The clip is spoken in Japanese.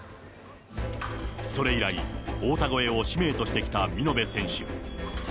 それ以来、太田超えを使命としてきた見延選手。